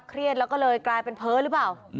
แล้วก็เลยกลายเป็นเพ้อหรือเปล่า